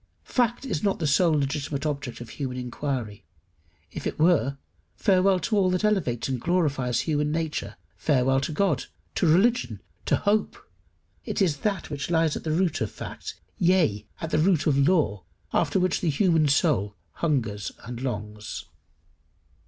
Fact is not the sole legitimate object of human inquiry. If it were, farewell to all that elevates and glorifies human nature farewell to God, to religion, to hope! It is that which lies at the root of fact, yea, at the root of law, after which the human soul hungers and longs.